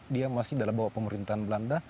dia masih dalam bawah pemerintahan belanda